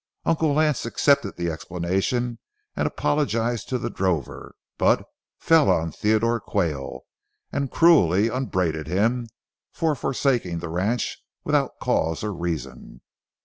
Uncle Lance accepted the explanation and apologized to the drover, but fell on Theodore Quayle and cruelly upbraided him for forsaking the ranch without cause or reason.